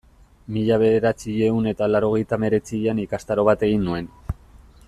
Mila bederatziehun eta laurogeita hemeretzian ikastaro bat egin nuen.